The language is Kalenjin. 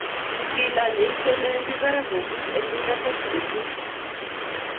Kilany eitiet newendi barak kobus eng kimnatet missing